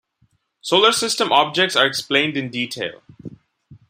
Solar system objects are explained in detail.